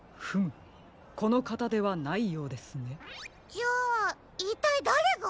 じゃあいったいだれが？